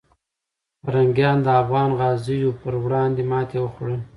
پرنګیان د افغان غازیو پر وړاندې ماتې وخوړله.